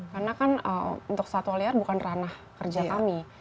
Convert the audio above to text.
karena kan untuk satwa liar bukan ranah kerja kami